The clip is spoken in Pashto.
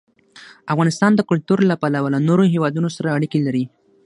افغانستان د کلتور له پلوه له نورو هېوادونو سره اړیکې لري.